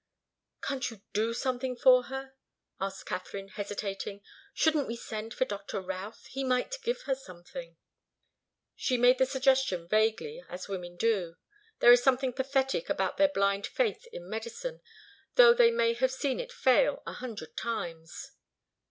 "Can't you do something for her?" asked Katharine, hesitating. "Shouldn't we send for Doctor Routh? He might give her something." She made the suggestion vaguely, as women do. There is something pathetic about their blind faith in medicine, though they may have seen it fail a hundred times.